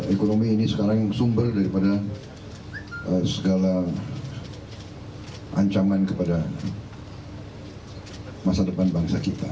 ekonomi ini sekarang sumber daripada segala ancaman kepada masa depan bangsa kita